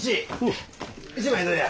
１枚どうや？